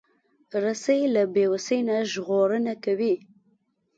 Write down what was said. رسۍ له بیوسۍ نه ژغورنه کوي.